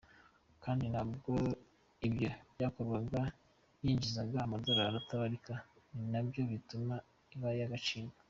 Kandi nabwo iyo byakorwaga yinjizaga amadorali atabarika, ni nabyo bituma iba iy’agaciro.